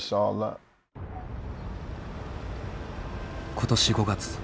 今年５月。